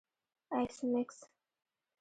ایس میکس